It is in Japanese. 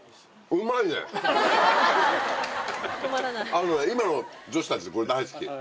あのね今の女子たちこれ大好き。